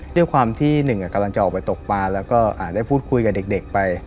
ด้วยความที่หนึ่งกำลังจะออกไปตกปลาแล้วก็ได้พูดคุยกับเด็กไป